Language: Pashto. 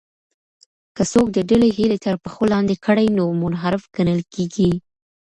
که څوک د ډلې هیلې تر پښو لاندې کړي نو منحرف ګڼل کیږي.